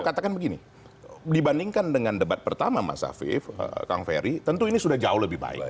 katakan begini dibandingkan dengan debat pertama mas aviv kangferi tentu ini sudah jauh lebih burg